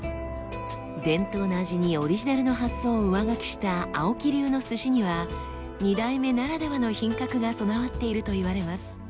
伝統の味にオリジナルの発想を上書きした青木流の鮨には２代目ならではの品格が備わっているといわれます。